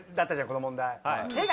この問題。